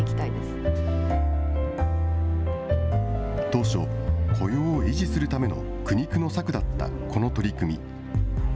当初、雇用を維持するための苦肉の策だったこの取り組み。